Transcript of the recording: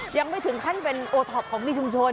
ยังไม่ถึงขั้นเป็นโอท็อปของมีชุมชน